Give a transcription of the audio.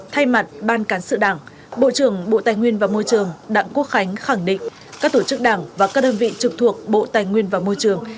thay mặt ban cán sự đảng bộ trưởng bộ tài nguyên và môi trường đảng quốc khánh khẳng định các tổ chức đảng và các đơn vị trực thuộc bộ tài nguyên và môi trường